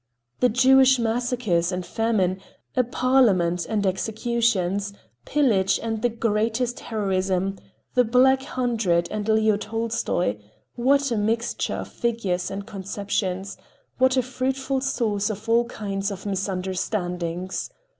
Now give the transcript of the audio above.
The Jewish massacres and famine; a Parliament and executions; pillage and the greatest heroism; "The Black Hundred," and Leo Tolstoy—what a mixture of figures and conceptions, what a fruitful source for all kinds of misunderstandings!